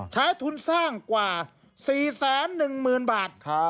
ใช้ทุนสร้างกว่า๔แสน๑หมื่นบาท